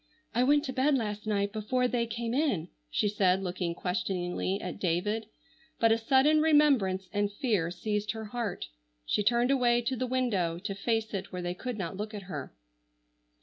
"I went to bed last night before they came in," she said, looking questioningly at David, but a sudden remembrance and fear seized her heart. She turned away to the window to face it where they could not look at her.